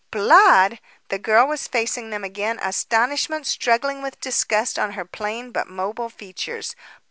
"Blood!" The girl was facing them again, astonishment struggling with disgust on her plain but mobile features.